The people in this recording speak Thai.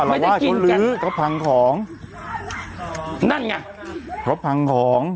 สั่นเลยคุณแม่สั่นคุณแม่สรุปไม่ได้กินกันนั่นไงเขาพังของ